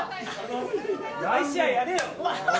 毎試合やれよ！